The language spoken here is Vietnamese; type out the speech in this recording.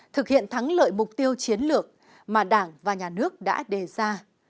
thực hiện thắng lợi mục tiêu chiến lược mà đảng và nhà nước đã đề ra